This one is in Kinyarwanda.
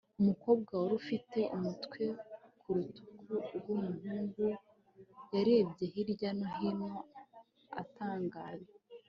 umukobwa wari ufite umutwe ku rutugu rw'umuhungu, yarebye hirya no hino atangaye